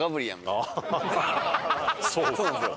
そうなんですよ。